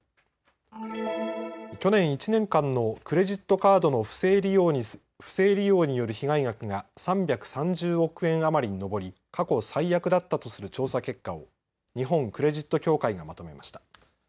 去年１年間のクレジットカードの不正利用による被害額が３３０億円余りに上り、過去最悪だったとする調査結果を日本クレジット協会がまとめました。